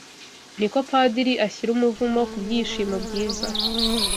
niko padiri ashyira umuvumo ku byishimo byiza